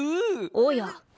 おや。